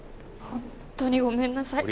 本当にごめんなさい。